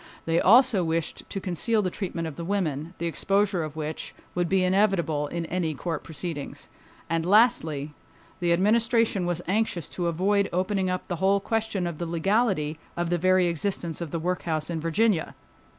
They also wished to conceal the treatment of the women, the exposure of which would be inevitable in any court proceedings. And lastly, the Administration was anxious to avoid opening up the whole question of the legality of the very existence of the workhouse in Virginia.